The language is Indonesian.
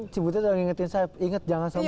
cibutnya jangan ingetin saya inget jangan sombong